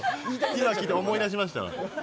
今聴いて思い出しました。